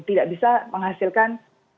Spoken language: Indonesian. tidak bisa menghasilkan